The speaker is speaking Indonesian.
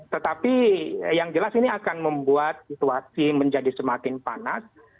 tetapi yang jelas ini akan membuat situasi menjadi semakin panas